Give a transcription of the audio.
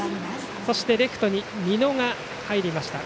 そしてレフトに美濃が入りました。